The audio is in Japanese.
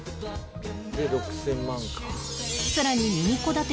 「で６０００万か」